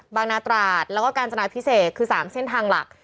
นาตราดแล้วก็กาญจนาพิเศษคือ๓เส้นทางหลัก